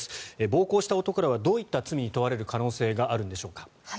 暴行した男らはどういった罪に問われる可能性があるんでしょうか。